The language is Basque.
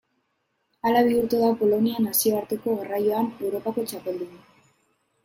Hala bihurtu da Polonia nazioarteko garraioan Europako txapeldun.